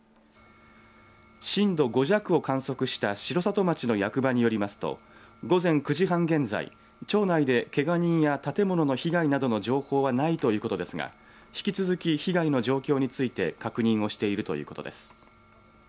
震度５弱を観測した城里町の役場によりますと午前９時半現在、町内でけが人や建物の被害などの情報はないということですが引き続き被害の状況について確認をしているということです。